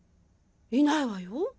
いないわよ。